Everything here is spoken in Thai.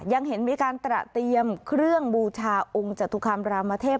ยังเห็นมีการตระเตรียมเครื่องบูชาองค์จตุคามรามเทพ